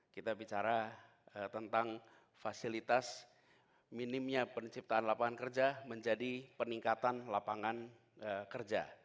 kita bicara tentang fasilitas minimnya penciptaan lapangan kerja menjadi peningkatan lapangan kerja